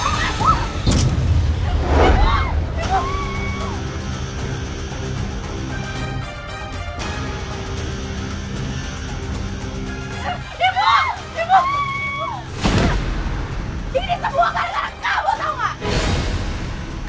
ini semua karena kamu tau gak